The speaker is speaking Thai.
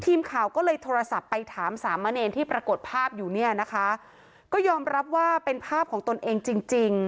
ทีมข่าวก็เลยโทรศัพท์ไปถามสามเณรที่ปรากฏภาพอยู่เนี่ยนะคะก็ยอมรับว่าเป็นภาพของตนเองจริงจริง